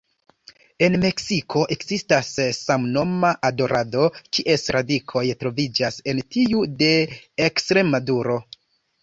En Meksiko ekzistas samnoma adorado, kies radikoj troviĝas en tiu de Ekstremaduro.